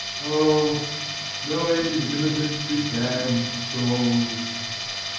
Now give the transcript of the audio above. O, no end is limited to damned souls!